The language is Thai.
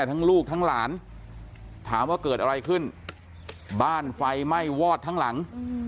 ทั้งลูกทั้งหลานถามว่าเกิดอะไรขึ้นบ้านไฟไหม้วอดทั้งหลัง